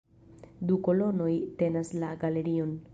Du kolonoj tenas la galerion.